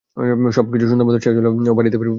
সবকিছু সুন্দরমতো শেষ হলে ও বাড়িতে ফিরতে পারবে!